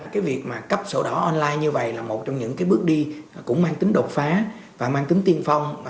cái việc mà cấp sổ đỏ online như vậy là một trong những cái bước đi cũng mang tính đột phá và mang tính tiên phong